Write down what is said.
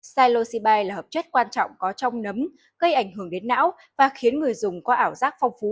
xyloxibide là hợp chất quan trọng có trong nấm gây ảnh hưởng đến não và khiến người dùng có ảo giác phong phú